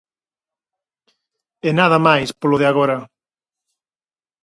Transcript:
E nada máis polo de agora.